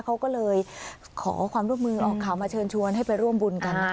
เขาก็เลยขอความร่วมมือออกข่าวมาเชิญชวนให้ไปร่วมบุญกัน